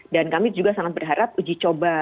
dan kami juga sangat berharap uji coba